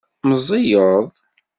Meẓẓiyeḍ?